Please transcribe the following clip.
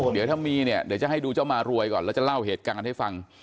เดี๋ยวถ้ามีเนี่ยเดี๋ยวจะให้ดูเจ้ามารวยก่อนแล้วจะเล่าเหตุการณ์ให้ฟัง